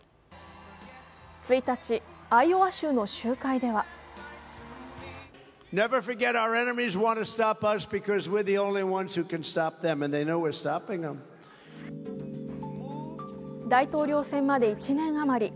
１日、アイオワ州の集会では大統領選まで１年余り。